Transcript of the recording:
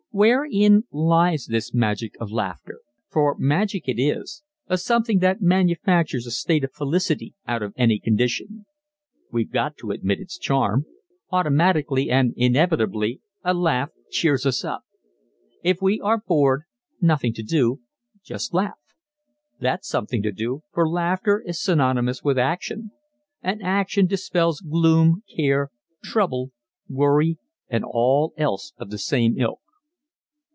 Wherein lies this magic of laughter? For magic it is a something that manufactures a state of felicity out of any condition. We've got to admit its charm; automatically and inevitably a laugh cheers us up. If we are bored nothing to do just laugh that's something to do, for laughter is synonymous with action, and action dispels gloom, care, trouble, worry and all else of the same ilk.